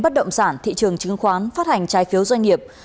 bất động sản thị trường chứng khoán phát hành trái phiếu doanh nghiệp